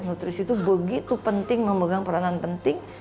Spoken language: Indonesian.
nutrisi itu begitu penting memegang peranan penting